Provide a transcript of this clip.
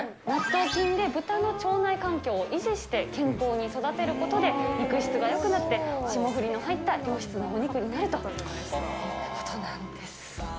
納豆菌で豚の腸内菌を維持して健康に育てることで、肉質がよくなって、霜降りの入った良質のお肉になるということなんです。